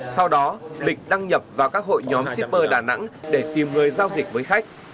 sau đó lịch đăng nhập vào các hội nhóm shipper đà nẵng để tìm người giao dịch với khách